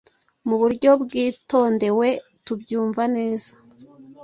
muburyo bwitondewe tubyumva neza